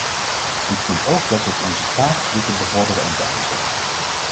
Ik vind ook dat het onze taak dit te bevorderen en te eisen.